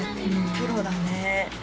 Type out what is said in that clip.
プロだね